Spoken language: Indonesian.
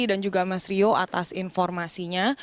dan juga mas rio atas informasinya